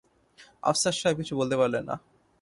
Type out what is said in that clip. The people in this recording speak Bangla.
আফসার সাহেব কিছু বলতে পারলেন না।